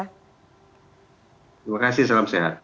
terima kasih salam sehat